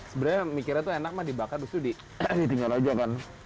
sebenarnya mikirnya itu enak mah dibakar terus itu ditinggal aja kan